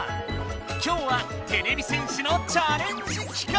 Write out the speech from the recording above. きょうはてれび戦士のチャレンジ企画。